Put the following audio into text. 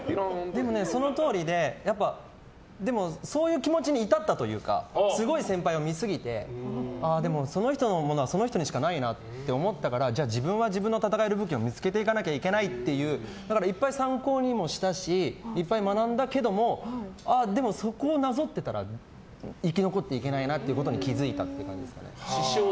でもそのとおりでそういう気持ちに至ったというかすごい先輩を見すぎてでも、その人のものはその人にしかないなって思ったからじゃあ自分は自分の戦える武器を見つけていかなきゃいけないっていういっぱい参考にもしたしいっぱい学んだけどもそこをなぞってたら生き残っていけないことに気付いたという感じですかね。